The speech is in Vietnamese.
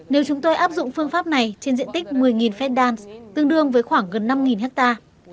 nếu chúng tôi áp dụng phương pháp này trên diện tích một mươi phép đan tương đương với khoảng gần năm hectare